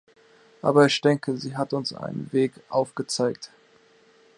Aber ich denke, sie hat uns einen Weg aufgezeigt.